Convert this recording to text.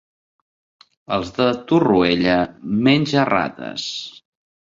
Els de Torroella, menja-rates.